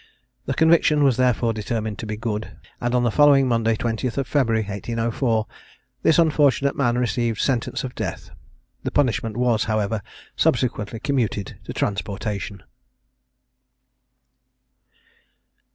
The conviction was therefore determined to be good, and on the following Monday, 20th February, 1804, this unfortunate man received sentence of death. This punishment was, however, subsequently commuted to transportation.